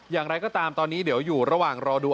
อย่างไรก็ตามตอนนี้เดี๋ยวอยู่ระหว่างรอดู